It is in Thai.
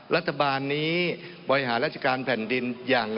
รัฐบาลนี้บริหารราชการแผ่นดินอย่างไร